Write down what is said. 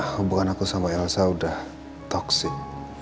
hubungan aku sama elsa sudah toxic